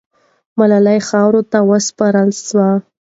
ملالۍ خاورو ته وسپارل سوه.